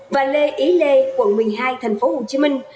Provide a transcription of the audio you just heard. và lê ý lê quận một mươi hai thành phố hồ chí minh